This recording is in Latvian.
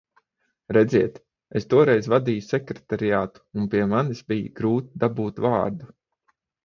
Redziet, es toreiz vadīju Sekretariātu un pie manis bija grūti dabūt vārdu.